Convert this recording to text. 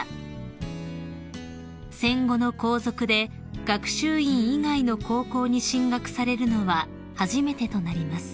［戦後の皇族で学習院以外の高校に進学されるのは初めてとなります］